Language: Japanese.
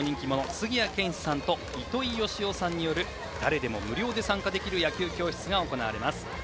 杉谷拳士さんと糸井嘉男さんによる誰でも無料で参加できる野球教室が行われます。